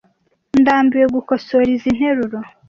ndambiwe gukosora izi nteruro